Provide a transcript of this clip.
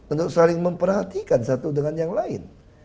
untuk saling memperhatikan satu dengan yang lain